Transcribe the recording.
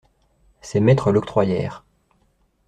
Ses maîtres l'octroyèrent.